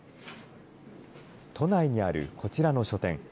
都内にあるこちらの書店。